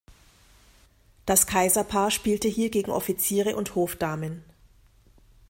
Das Kaiserpaar spielte hier gegen Offiziere und Hofdamen.